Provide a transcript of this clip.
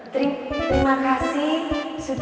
terima kasih sudah